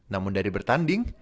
namun dari bertanding